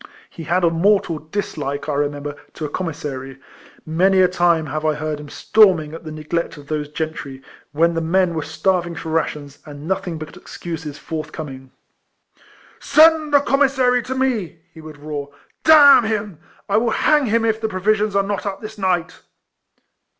He had a mortal dislike, I remember, to a com missary. Many a time have I heard him storming at the neglect of those gentry, when the men were starving for rations, and nothing but excuses forthcoming. " Send the commissary to me !" he would roar. " D — n him ! I will hang him if the provisions are not up this night